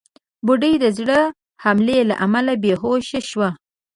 بوډۍ د زړه حملې له امله بېهوشه شوه.